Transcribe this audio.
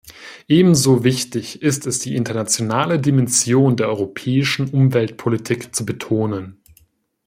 Ebenso wichtig ist es, die internationale Dimension der europäischen Umweltpolitik zu betonen.